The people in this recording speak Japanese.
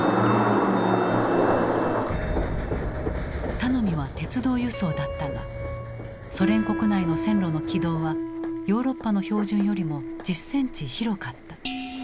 頼みは鉄道輸送だったがソ連国内の線路の軌道はヨーロッパの標準よりも１０センチ広かった。